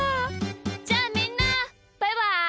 じゃあみんなバイバイ！